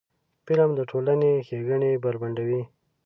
فلم د ټولنې ښېګڼې بربنډوي